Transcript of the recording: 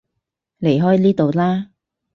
離開呢度啦